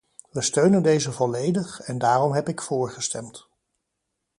We steunen deze volledig, en daarom heb ik voor gestemd.